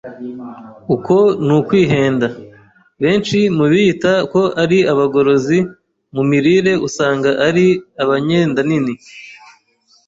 Uku ni ukwihenda. Benshi mu biyita ko ari abagorozi mu mirire usanga ari abanyendanini.